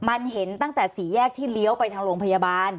มันเห็นตั้งแต่สี่แยกที่เลี้ยวไปทางโรงพยาบาล